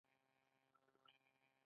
د ریحان غوړي د ارام لپاره وکاروئ